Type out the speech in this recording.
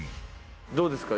どうですか？